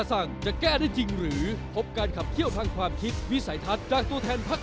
ฟังไทยรัดทีวีช่อง๓๒